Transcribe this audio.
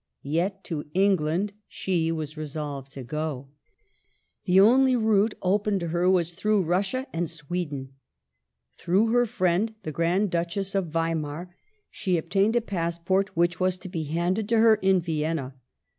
Yet to England she was resolved to go. The only route open to her was through Russia and Sweden. Through her friend the Grand Duchess of Weimar she obtained a passport, which was Digitized by VjOOQIC I JO MADAME DE STALL'S to be handed to her in Vienna.